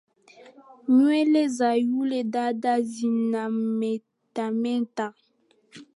Nywele za yule dada zinametameta